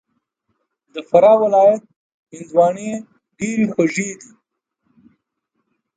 د فراه ولایت هندواڼې ډېري خوږي دي